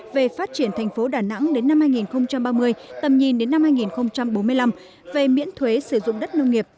về phát triển thành phố đà nẵng đến năm hai nghìn ba mươi tầm nhìn đến năm hai nghìn bốn mươi năm về miễn thuế sử dụng đất nông nghiệp